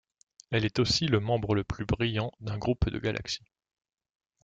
Elle est aussi le membre le plus brillant d'un groupe de galaxies.